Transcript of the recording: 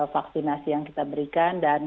vaksinasi yang kita berikan dan